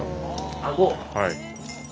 はい。